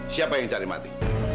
siapa yang cari mati